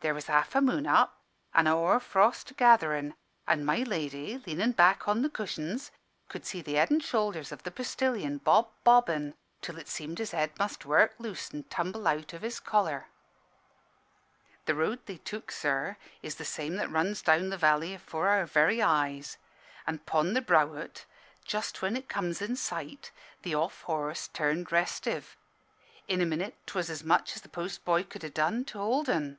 There was half a moon up an' a hoar frost gatherin', an' my lady, lean in' back on the cushions, could see the head and shoulders of the postillion bob bobbing, till it seemed his head must work loose and tumble out of his collar. "The road they took, sir, is the same that runs down the valley afore our very eyes. An' 'pon the brow o't, just when it comes in sight, the off horse turned restive. In a minute 'twas as much as the post boy could ha' done to hold 'en.